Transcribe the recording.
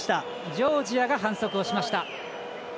ジョージアが反則しました。